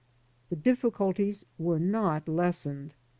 The difficulties were not lessened.